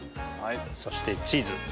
そしてチーズ。